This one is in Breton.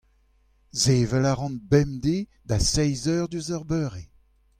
sevel a ran bemdez da seizh eur diouzh ar beure.